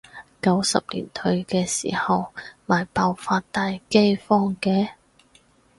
九十年代嘅時候咪爆發大饑荒嘅？